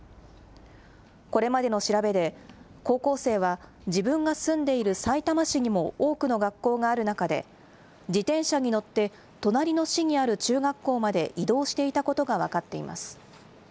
これまでの調べで、高校生は自分が住んでいるさいたま市にも多くの学校がある中で、自転車に乗って隣の市にある中学校まで移動していたことが分かっています。